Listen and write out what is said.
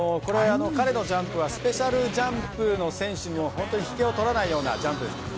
彼のジャンプはスペシャルジャンプの選手に本当に引けを取らないようなジャンプです。